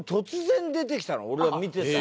俺は見てた。